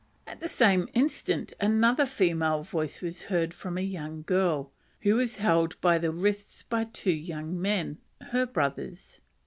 At the same instant another female voice was heard from a young girl, who was held by the wrists by two young men, her brothers.